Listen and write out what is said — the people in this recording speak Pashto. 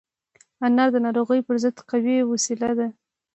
انار د ناروغیو پر ضد قوي وسيله ده.